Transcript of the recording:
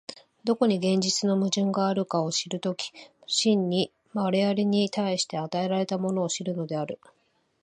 どこに現実の矛盾があるかを知る時、真に我々に対して与えられたものを知るのである。